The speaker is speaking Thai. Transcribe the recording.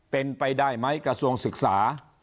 เป็นไปได้ไหมกระทรวงศึกษา